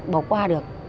bỏ qua được